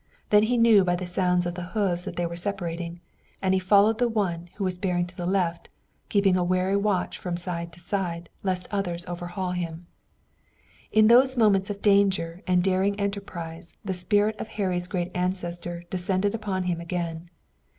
Then he knew by the sounds of the hoofs that they were separating, and he followed the one who was bearing to the left, keeping a wary watch from side to side, lest others overhaul him. In those moments of danger and daring enterprise the spirit of Harry's great ancestor descended upon him again.